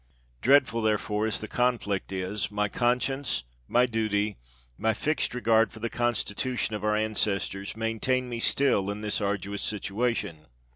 Dreadful, there fore, as the conflict is, my conscience, my duty, my fixed regard for the Constitution of our an cestors, maintain me still in this arduous situa tion.